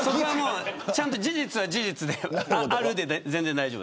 事実は事実であるで全然大丈夫。